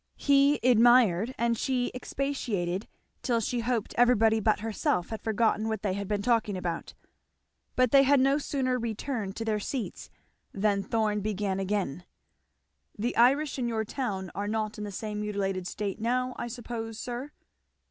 He admired, and she expatiated, till she hoped everybody but herself had forgotten what they had been talking about. But they had no sooner returned to their seats than Thorn began again. "The Irish in your town are not in the same mutilated state now, I suppose, sir?"